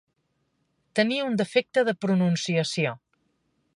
Tenir un defecte de pronunciació.